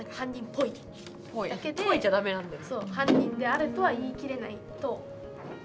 「ぽい」じゃ駄目なんだよ。